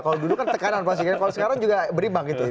kalau dulu kan tekanan pasti kan kalau sekarang juga berimbang gitu ya